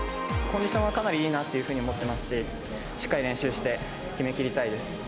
コンディションはかなりいいなっていうふうに思っていますし、しっかり練習して、決めきりたいです。